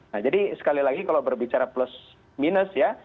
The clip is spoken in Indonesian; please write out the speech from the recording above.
nah jadi sekali lagi kalau berbicara plus minus ya